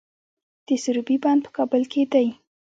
د سروبي بند په کابل کې دی